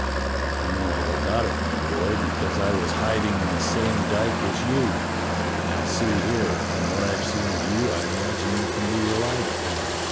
"I know all about it, my boy, because I was hiding in the same dyke as you. Now see here, from what I've seen of you, I imagine you can be relied upon.